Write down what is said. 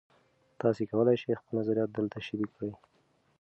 تاسي کولای شئ خپل نظریات دلته شریک کړئ.